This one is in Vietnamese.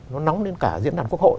nó nóng đến cả diễn đàn quốc hội